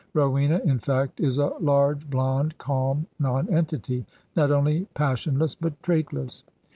Rowena, in fact, is a large, blond, calm nonentity, not only pas sionless, but traitless.